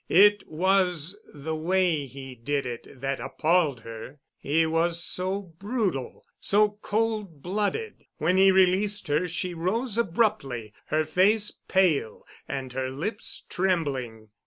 It was the way he did it that appalled her—he was so brutal, so cold blooded. When he released her she rose abruptly, her face pale and her lips trembling.